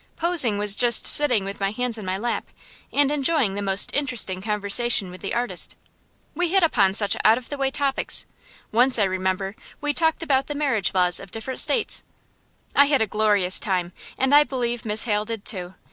Posing was just sitting with my hands in my lap, and enjoying the most interesting conversation with the artist. We hit upon such out of the way topics once, I remember, we talked about the marriage laws of different states! I had a glorious time, and I believe Miss Hale did too.